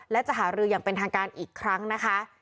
และจะหารืออย่างเป็นทางการอีกครั้งนะคะ